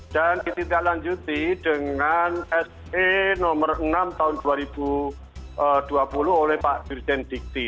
dan kita lanjuti dengan se nomor enam tahun dua ribu dua puluh oleh pak jurjen dikti